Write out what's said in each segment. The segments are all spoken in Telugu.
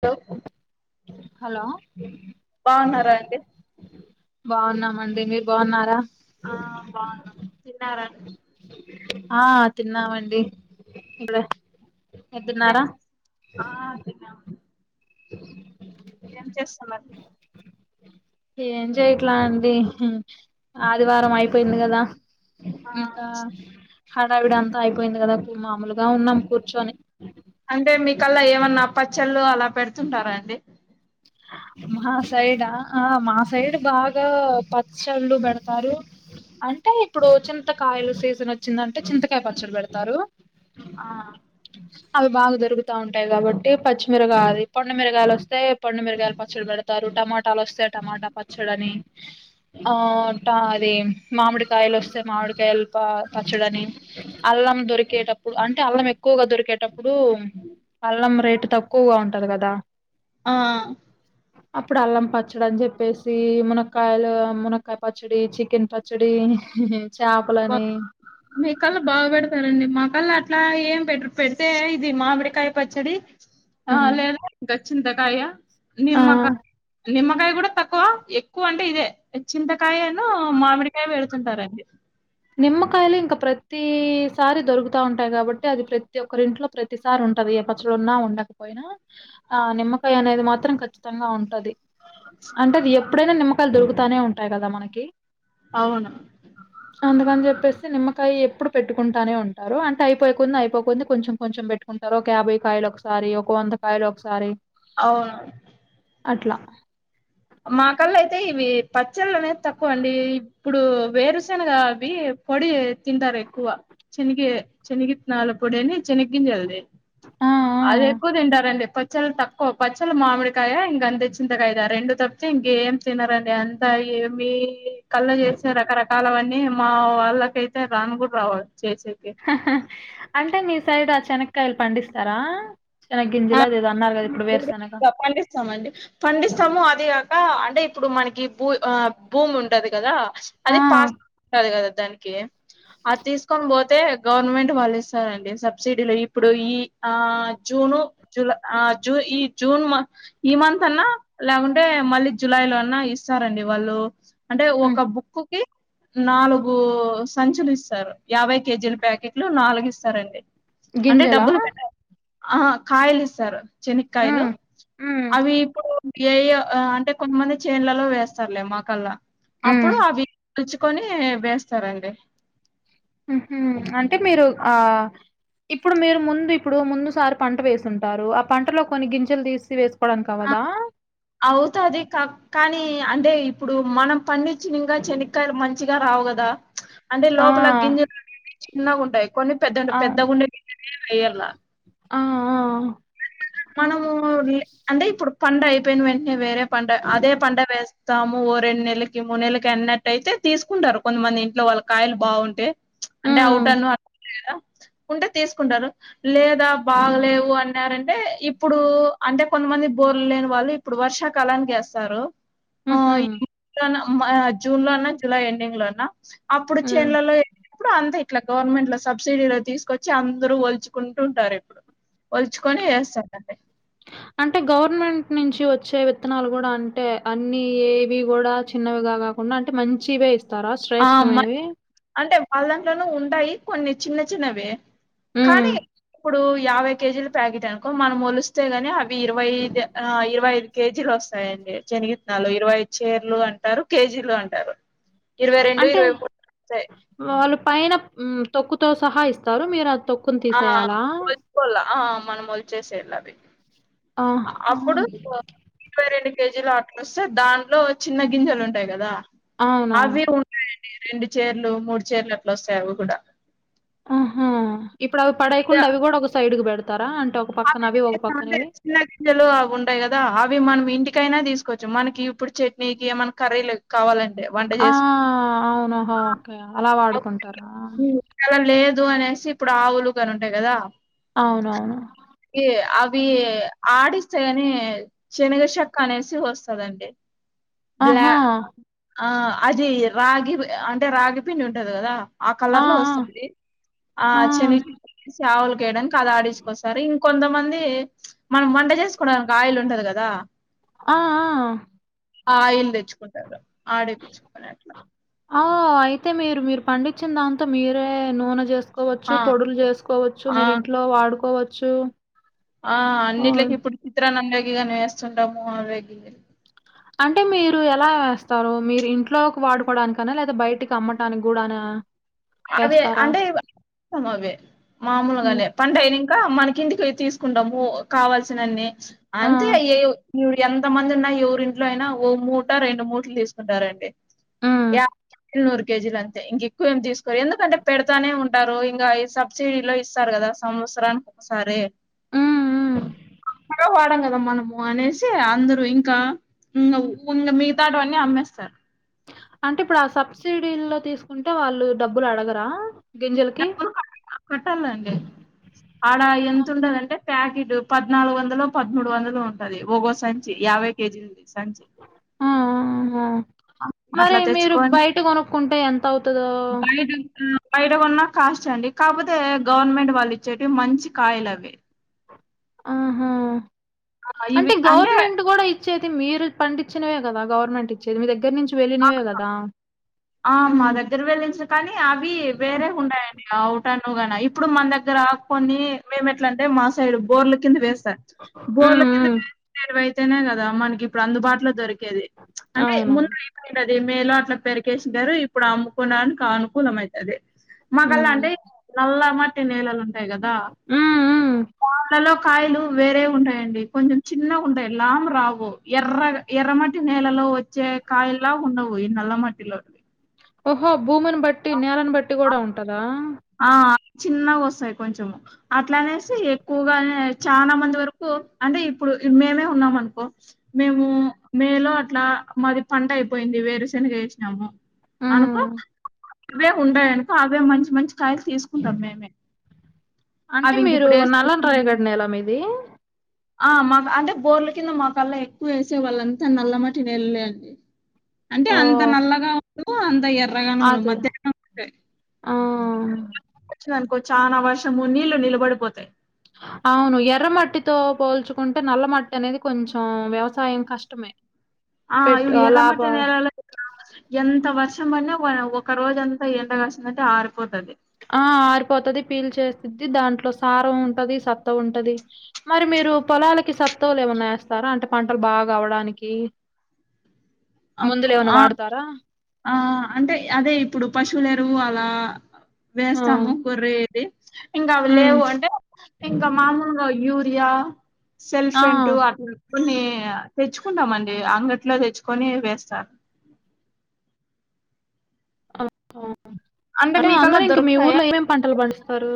నో హలో బాగున్నారా అండి బావున్నామండి మీరు బావున్నారా? ఆ బాన్నాను తిన్నారా ఇప్పడ ఏం చేస్తా అ ఏం చేస్తా మరి ఏం చెయట్లా అండి ఆదివారం అయిపోయింది కదా ఆ ఇంకా హడావిడి అంతా అయిపోయింది కదా మాములు ఉన్నాం కూర్చొని చెల్లు అలా పెడుతుంటారా అండి మా సైడ్ ఆ మా సైడ్ బాగా పచ్చళ్ళు పెడతారు అంటే ఇప్పుడు చింతకాయల సీజన్ వచ్చిందంటే చింతకాయ పచ్చడి పెడతారు ఆ తిరుగుతా ఉంటాయి కాబట్టి పచ్చిమిరయ అది పండమిరగాయలు వస్తే పండు మిరగాయలు పచ్చడి పెడతారు టమాటాలు వస్తె టమాటా పచ్చడి అని ఆ టా అది మామిడికాయలు వస్తే మామిడికాయలు పా పచ్చడని అల్లం దొరికి దొరికేటప్పుడు అంటే అల్లం ఎక్కువగా దొరికేటప్పుడు అల్లం రేట్ తక్కువగా ఉంటారు కదా ఆ అప్పుడు అల్లం పచ్చడి అని చెప్పేసి మునక్కాయలు మునక్కయ పచ్చడి చికెన్ పచ్చడి బా చేపలని మీ కళ్ళ బాగ పెడతారండి మాకు కళ అట్లా ఏం పెట్రూ పెడితే ఇది మామిడికాయ పచ్చడి ఆ లేదా ఇంకా చింతకాయ ఆ నిమ్మకాయ నిమ్మకాయ కూడా తక్కువ ఎక్కువ అంటే ఇదే చింత కాయను మామిడికాయ పెడుతుంటారండి నిమ్మకాయలు ఇంకా ప్రతిసారి దొరుకుతా ఉంటాయి కాబట్టి అది ప్రతి ఒక్కరి ఇంట్లో ప్రతిసారి ఉం ఉంటది ఏ పచ్చలున్నా ఉండకపోయినా ఆ నిమ్మకాయ అనేది మాత్రం ఖచ్చితంగా ఉంటది అంటే అది ఎప్పుడైనా నిమ్మకాయలు దొరుకుతానే ఉంటాయి కదా మనకి అవును అందుకని చెప్పేసి నిమ్మకాయ ఎప్పుడు పెట్టుకుంటానే ఉంటారు అంటే అయిపోయి కొంది అయిపోకుంది కొంచెం కొంచెం పెట్టుకు అందరు ఒక యాభై కాయలు ఒకసారి ఒక వంద కాయలు ఒకసారి అవును అట్లా మా కల్లా అయితే ఇవి పచ్చళ్ళు అనేది తక్కువ అండి ఇప్పుడు వేరుసేనగా అవి పొడి తింటారు ఎక్కువ శనగి శనగిత్తనాల పొడి అని శనగ గింజల్దదు ఆ! ఆ! అది ఎక్కువ తింటారండి పచ్చలు తక్కువ పచ్చల్ మామిడికాయ ఇంగ అంతె చింతకాయదా రెండు తక్కు ఇంకేం తినరండి అంతా ఏమి కళ్ళ చేసే రకరకాలవన్నీ మా వాళ్ళ ల్ల అయితే రాను గుడరను అంటే నీ సైడ్ ఆ చెనక్కాయలు పండిస్తారా చిన్ ఆ గింజిలా పండిస్తామండి పండిస్తాము అది కాక అంటే ఇప్పుడు మనకి భూ ఆ భూమి ఉంటది కదా ఆ! అది పాస్ బుక్ ఉంటది కదా దానికి అది తీసుకొని పోతే గవర్నమెంట్ వాళ్ళు ఇస్తారండి సబ్సిడీలు ఇప్పుడు ఈ ఆ జూను జూలై ఆ జూ ఈ జూన్ ఈ మంత్ అన్నా లేకుంటే మళ్ళీ జులై లో అన్నా ఇస్తారండి వాళ్ళు అంటే హ్మ్. ఒక బుక్కికీ నాలుగు సంచులు ఇస్తారు యాభై కేజీల ప్యాకెట్లు నాలుగు ఇస్తారండి గింజలా ఆ కాయలు ఇస్తారు శనగకాయలు హ్మ్ హ్మ్ అవి ఇప్పుడు ఏ అంటే కొంతమంది చేన్లలో వేస్తారులే మాకల్లా హ్మ్ అప్పుడు అవి రుచ్చుకొని వేస్తారండి ఉహు అంటే మీరు ఆ ఇప్పుడు మీరు ముందు ఇప్పుడు ముందుసారి పంట వేసుంటారు ఆ పంటలో కొన్ని గింజలు తీసి వేసు అవుతది కానీ అంటే ఇప్పుడు మనం పండి చికా శనక్కయలు మంచిగా రావు కదా అంటే ఆ! లోపల గింజలు చిన్నగా ఉంటాయి కొన్ని పెద్ద ఉంట పెద్ద అవును. ఉండనే వెయ్యలా ఆ ఆ మనము అంటే ఇప్పుడు పంట అయిపోయిన వెంటనే వేరే పంట అదే పంట వేస్త తాము ఓ రెండు నెలకి మూడు నెలకి అన్నట్టయితే తీసుకుంటారు కొంతమంది ఇంట్లో వాళ్ళ కాయలు బాగుంటాయి అంటే హ్మ్. అవుట్ను లేదా అ కదా ఉంటే తీసుకుంటారు లేదా బాగలేవు అంటే రంటే ఇప్పుడు అంటే కొంతమంది బోర్లు లేని వాళ్ళు ఇప్పుడు వర్షాకాలానికి వస్తారు హుహు. జూన్ లోన్నా జూలై ఎడింగ్ లోన్నా అప్పుడు హ్మ్. చైలలో వెళ్ళినప్పుడు అంతా ఇట్లా గవర్నమెంట్ లో సబ్సిడీలో తీసుకొచ్చి అందరు ఒల్చుకుంటు ఉంటారు ఇప్పుడు వల్చుకొని వేస్తారుంటే అంటే గవర్నమెంట్ నుంచి వచ్చే విత్తనాలు కూడా అంటే అన్ని ఏవి కూడా చిన్నవిగా కాకుండా అంటే మంచివే ఇస్తారా ఆ అమ్మాయి శ్రేష్టమైనవి అంటే వాళ్ళ దంట్లోనూ ఉంటాయి కొన్ని చిన్న చిన్నవే హ్మ్. కానీ ఇప్పుడు యాభై కేజీల ప్యాకెట్ అనుకో మనం వోలిస్తే గాని తా ఇ ఇరవై ఐదు ఇరవై ఐదు కేజీలు వస్తాయి వస్తాయ్ అండి చనిగిత్తనాలు ఇరవై చీర్లు అంటారు కేజీలు అంటారు ఇరవై రెండు అంటే ఇరవై మూడు వస్తాయి. వాళ్ళు పైన తొక్కుతో సహా ఇస్తారు మీరు ఆ తొక్కు ఆ వలుచుకోల ఆ మనం వలిచేసల అవి అప్పుడు ఆహా! ఇరవై రెండు కేజీలు అట్లు వస్తే దానిలో చిన్న గింజలు ఉంటాయి కదా అవి అవునవును ఉంటాయండి రెండు చీరలు మూడు చీరలు అట్లా వస్తాయవి కూడా ఆహా ఇప్పుడు అవి పడేకుండా అవి కూడా ఒక సైడ్ కు పెడతారా అంటే ఒక అవి పక్కన ఒక పక్కన అంటే ఇవి? చిన్న గింజలు అవి ఉంటాయి కదా అవి మనం ఇంటిక్ కైనా తీసుకోవచ్చు మనకి ఇప్పుడు చట్నీకి ఏమైనా కర్రీ కావాలంటే వంట ఆ! చేసుకు అవునహా! ఓకే. అలా వాడుకుంటారా? లేదు లు అనేసి ఇప్పుడు ఆవులు కాని ఉంటాయి కదా అవునవును. ఈ అవి ఆడిస్తే కాని చనగచెక్క అనేసి వస్తదండి బ్లా ఆహా ఆ అది రాగి అంటే రాగి పిండి ఉంటంది కదా ఆ కలర్ లో వస్తుంది ఆ చిన్న చి చేవులు వేయడానికి అది ఆడి మరి ఇంకొంతమంది మనం వంట చేసుకుంటానికి ఆయిల్ ఉంటది కదా ఆ ఆ ఆయిల్ తెచ్చుకుంటారు ఆడించుకొని అట్లా ఆ అయితే మీరు మీరు పండించిన దాంతో మీరే నూనె చేస్త ఆ! కోవచ్చు పొడులు చేసుకోవచ్చు ఆ! మీరు ఇంట్లో వాడుకోవచ్చు ఆ ఓహ్! అన్నింటికి ఇప్పుడు చిత్రాన్నంలోకి వేస్తుంటాము ఆవేగి అంటే మీరు ఎలా వేస్తారు మీరు ఇంట్లోకి వాడుకోవడానినికన లేదా బయటికి అమ్మటానికి కూడాన అవి అంటే అవి హ్మ్. మామూలుగానే పంటైనింగ్ మనకి ఇంటికి తీసుకుంటాము కావాల్సినన్నీ ఆ! అంతే ఏ ఎంత మంది ఉన్నా ఎవరింట్లో అయినా ఓ మూట రెండు మూటలు తీసుకుంటారండి హ్మ్. యా నూరు కేజీల అంతే ఇంక ఎక్కువ ఏమి తీసుకు ఎందుకంటే పెడతానే ఉంటారు ఇంకా సబ్సిడీలో ఇస్తారు కదా సంవత్సరానికి ఒకసారి హ్మ్ హ్మ్. ఇ వాడం కదా మనము అనేసి అందరూ ఇంకా ఉ ఉంగ మిగతాడువన్నీ అమ్మేస్తారు అంటే ఇప్పుడు ఆ సబ్సిడీల్లో తీసుకుంటే వాళ్ళు డబ్బులు అడగరా గింజలకి? డబ్బలు క కట్టాలండి ఆడ ఆ! ఎంత ఉంటది అంటే ప్యాకెట్ పద్నాలుగు వందలు పదమూడు వందలు ఉంటది ఒగో సంచి యాభై కేజీ సంచి ఆ! ఆహా! అట్లా మరి మీరు తెచ్చుకొని బయట కొనుక్కుంటే ఎంతవుతదో? బయట బయట కొన్నా కాస్ట్ యే అండి కాకపోతే గవర్నమెంట్ వాళ్ళు ఇచ్చేటివి మంచి కాయలు అవి ఆహా ఆ, అంటే ఇవి గవర్నమెంట్ కూడా ఇచ్చేది మీరు పండించినవే కదా గవర్నమెంట్ ఇచ్చేది మీ దగ్గర నుంచి వెళ్ళినవే గదా! ఆ మా హ్మ్. దగ్గర వెళ్ళంచ కానీ అవి వేరే ఉంటాయండి అవుట్ నువ్గన ఇప్పుడు మన దగ్గర ఆకుని మేము ఎట్లంటే మా సైడ్ బోర్ల కింద వేస్త బోర్ల హ్మ్. కింద హ్మ్. వేసినట్టు అయితేనే కదా మనకి ఇప్పుడు అందుబాటులో దొరికింది ది అంటే ముందు అవునవును. అది మేలో అట్లా పెరిగేస గారు ఇప్పుడు అమ్ముకోడానికి అనుకూలం అయితది మాగల్లా హ్మ్. అంటే నల్ల మట్టి నేలల ఉంటయి టాయ్ కదా హ్మ్. హ్మ్. వాళ్లలో కాయలు వేరే ఉంటాయండి కొంచం చిన్నగాండయి లావు రావు ఎర్ర ఎర్రమటి నేలలో వచ్చే కాయలా ఉండవు ఈ నల్ల మట్టి లో ఉదు ఓహో భూమిని బట్టి నేలని బట్టి కూడా ఉంటదా ఆ చిన్నగా వస్తాయి కొంచం అట్లా అనేసి ఎక్కువగా చాలా మంది వరకు అంటే ఇప్పుడు మేమే ఉన్నాం అనుకో మేము మేలో అట్లా మాది పంట పోయింది వేరూశనగ వేసినమము హ్మ్. అనుకో అవే ఉంటయనుకో అవే మంచి మంచి కాయలు తీసుకుంటాం మేమే అంటే అవి ఇంక మీరు ఇప్పుడు వేసుకో నల్లం రాయగడ్ నెలం ఇది ఆ మా అంటే బోర్ల కింద మాకల్లా ఎక్కువ వేసే వాళ్ళంతా నల్ల మట్టినేలనే అంటే అంత ఓహ్! నల్లగా ఉండ అంత ఎర్రగాన ఉ అదే. మధ్యా ఉంటయ్ ఆ! అనుకో చాలా వర్షము నీళ్లు నిలబడిపోతాయి అవును ఎర్ర మట్టితో పోల్చుకుంటే నల్ల మట్టి అనేది కొంచెం వ్యవసాయం కష్టమే ఆ పెట్ ఇప్పుడు ఆహ్, ఎర్ర లాభ మట్టి నెలలో ఎంత వర్షం పడిన ఒక రోజుంత ఎండ వచ్చిందంటే ఆరిపోతది ఆ ఆరిపోతుది పీలు చేస్తుది దాంట్లో సారం ఉంటది సత్తా ఉంటది మరి మీరు మీరు పొలాలకి సత్తవులు ఏమైన్నా వేస్తారా అంటే పంటలు బాగా ఆవడానికి అప్ ముందులు ఎవనా ఆ వాడతారా ఆ అంటే అదే ఇప్పుడు పశువుల ఎరువు అలా ఆ! వేస్తాము గోరేది ఇంకా అవి హ్మ్. లేవు అంటే ఇంకా మామూలుగా యూరియా సెల్ఫ్ ఆ! ఏంటూ అట్లా కొని తెచ్చుకుంటామ అండి అంగట్లో తెచ్చుకొని వేస్తారు అంటే అందరు మీకల్లా ఇంక మీ దొరుకుతాయా ఊర్లో ఏమేమి పంటలు పండిస్తారు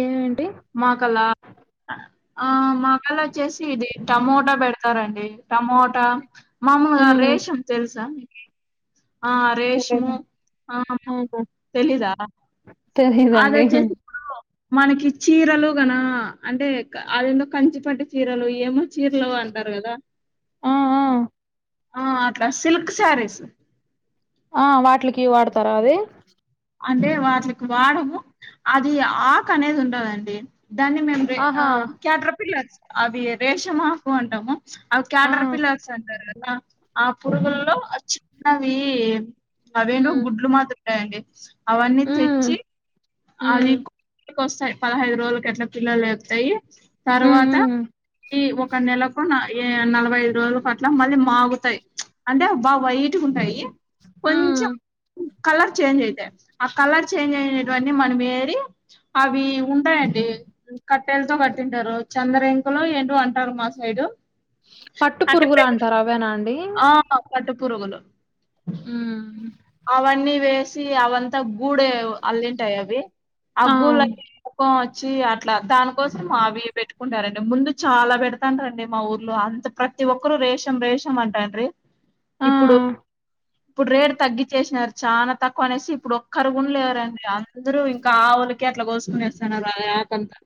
ఉ మా కలా ఆ మా కల్లా వచ్చేసి ఇది టమోటా పెడతారండి టమోటా మామలుగా హ్మ్. రేషమ్ తెలుసా ఆ రేష్ము తెలీదు. ఆ తెలిదారా తెలిదండి మనకి చీరలు గన అంటే అదేందో కంచిపట్టు చీరలు ఏమో చీరలో అంటారు కదా ఆ! ఆ! ఆ అట్ల సిల్క్ సారీస్ ఆ వాటిలకి వాడతారా అది అంటే వాటికి వాడము అది ఆక్ అనేది ఉండదండి దాన్ని మేము రే ఆ ఆహా! క్యాట్ర పిల్ల అవి రేషమ్ ఆకు అంటాము అవి ఆ! క్యాటర్ పిల్లర్స్ అంటారు కద ఆ పురుగుల్లో చిన్నవి అవేంటో హ్మ్. గుడ్లు మాద్రి ఉంటాయండి అవన్నీ హ్మ్. తెచ్చి అది హ్మ్. వస్తాయి పదహైదు రోజులకు అట్ల పిల్లలు లేపుతాయి హ్మ్. తర్వాత హ్మ్. ఈ ఒక నెలకో నా ఏ నలభై ఐదు రోజుల కట్ల మళ్ళీ మాగుతాయి అంటే బా వైట్ గ ఉంటాయి కొంచెం హ్మ్. కలర్ చేంజ్ అయితాయి ఆ కలర్ చేంజ్ అయిన ఇవన్నీ మనం ఏరి అవి ఉంటాయండి కట్టేలతో కట్టింటారు చందర ఇంకులో ఏంటో అంటారు మా సైడ్ పట్టు అంటే పురుగులు అంటారు అవేనా ఆ కట్ట పురుగులు ఉహు అవన్నీ వేసి అవంతా గూడే అల్లింటాయి అవి ఆ గూలన్ని వచ్చి అట్లా దానికోసం మావి పెట్టు ఉంటారండి ముందు చాలా పెడతాంట రండి మా ఊర్లో అంత ప్రతి ఒక్కరు రేషం రేషం అంటండ్రి ఆ! ఇప్పుడు ఇప్పుడు రేటు తగ్గి చేసినారు చాలా తక్కువ అనేసి ఇప్పుడు ఒక్కరుగున లేరండి అందరు ఇంకా ఆవులకి అట్లా కోసుకుని వేస్తన్నారు ఆ ఆకంతా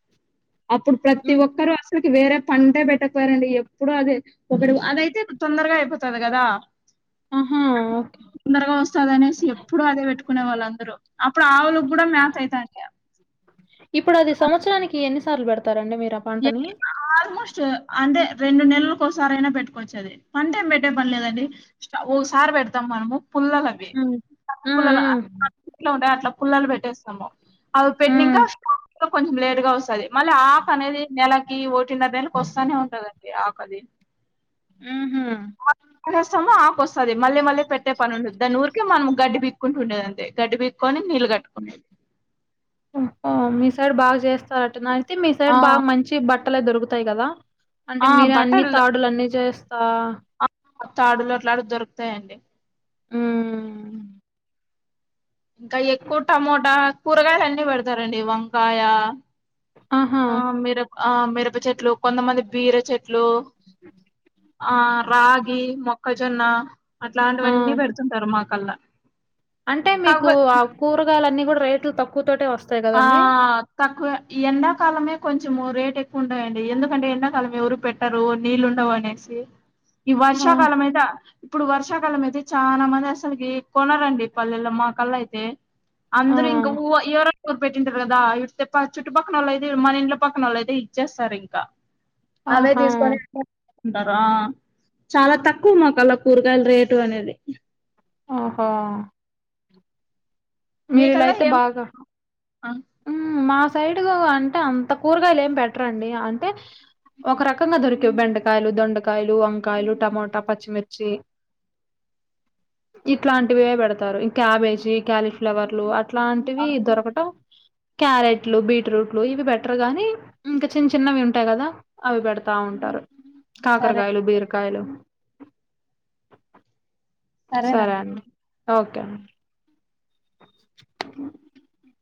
అప్పుడు ప్రతి హ్మ్. ఒక్కరు అసలుకి వేరే పంటే పెట్టకపోయారండి ఎప్పుడు అది కొబడి అదైతే తొందరగా అయిపోతది కదా ఆహా! ఓకే. తొందరగా వస్తది అనేసి ఎప్పుడు అదే పెట్టుకునే వాళ్ళు అందరూ ఆవులు కూడా మ్యాత అయితాం ఇప్పుడు అది సంవత్సరానికి ఎన్ని సార్లు పెడతారండి మీరు ఆ పంటని? ఆల్మోస్ట్ అంటే రెండు నెల్లుకు ఒకసారి అయినా పెట్టుకోవచ్చు అది పంట ఏం పెట్టే పనిలేదండి ఒసారి పెడతాం మనము పుల్లలు అవి హ్మ్. హ్మ్. హ్మ్. పుల్లలుట్ ఉంటయి అట్లా పుల్లలు పెట్టేస్తాము అవి పెట్టినంక హ్మ్. స్టా కొంచెం లేట్ గా వస్తది మళ్ళీ ఆఫ్ అనేది నెలకి కింద దేకి వస్తానే ఉంటదండి ఆకది ఉహు కస్తమా ఆకు వస్తది మళ్ళీ మళ్ళీ పెట్టే పని ఉండదు దన్ని ఊరిక మనం గడ్డి పీక్కుంటు ఉండేదంతె గడ్డి బిక్కోని నిలు కట్టుకునేది మీ సైడ్ బాగా చేస్తారటన అయితే మీ ఆ సైడ్ బాగ మంచి బట్టలు దొరుకుతాయి కదా అంటే ఆ మీరే అన్ని బట్టలు తాడులు అన్ని చేస్తా ఆ తాడులు అట్లాటీవీ దొరుకుతాయండి హ్మ్. ఇంకా ఎక్కువ టమోటా కూరగాయలు అన్ని పెడతారండి వంకాయ ఆహా! ఆ మిర ఆ మిరప చెట్లు కొంతమంది బీర చెట్లు ట్లు ఆ రాగి మొక్కజొన్న ఆ! అట్లాంటివన్నీ పెడుతుంటారు మాకల్లా అంటే మీకు ఆ కాకపోతే కూరగాయల అన్నీ కూడా రైతులు తక్కువ తటే వస్తాయి ఆ గదండీ? తక్కువ ఎండాకాలమే కొంచం కొంచెము రేట్ ఎక్కువ ఉండయంండి ఎందుకంటే ఎండాకాలం ఎవరు పెట్టరు నీళ్ళు ఉండవు అనేసి ఈ ఆ! వర్షాకాలం అయితే ఇప్పుడు వర్షాకాలం అయితే చాలా మంది అసలుకి కొనరండి పల్లెల్లో మా కల్లా అయితే ఆ! అందరుూ ఇంకా ఊ ఎవర ఊరు పెట్టింటారు కదా ఇతే చుట్టుపక్క వాళ్ళు అయితే మన ఇంట్ల పక్కనవాళ్లు అయితే ఇచ్చేస్తారు ఇంకా అవే ఆహా! తీసుకొని అంటారా చాలా తక్కువ మకాల కూరగాయల రేటు అనేది ఓహో మీరి ఇలా మీకల్లా అయితే ఏం బాగా ఆ హ్మ్. మా సైడ్ అంటే అంత కూరగాయలు ఏం పెట్టరండి అంటే ఒక రకంగా దొరికేవి బెండకాయలు దొండకాయలు వంకాయలు టమోటా పచ్చిమిర్చి ఇట్లాంటివే పెడతారు క్యాబేజీ క్యాలీఫ్లవర్లు అట్లాంటివి దొరకటం క్యారెట్లు బీట్రూట్లు ఇవి బెటర్ గాని ఇంకా చిన్న చిన్నవి ఉంటాయి కదా అవి పెడతా ఉంటాయి ఉంటారు సరే కాకరకాయలు బీరకాయలు సరే సరేనండి అండి ఓకే అండి అ